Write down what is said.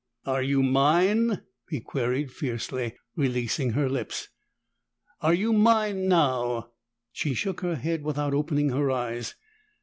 "Are you mine?" he queried fiercely, releasing her lips. "Are you mine now?" She shook her head without opening her eyes.